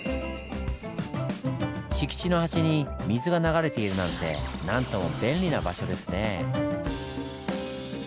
敷地の端に水が流れているなんて何とも便利な場所ですねぇ。